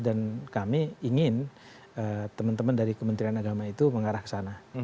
dan kami ingin teman teman dari kementerian agama itu mengarah ke sana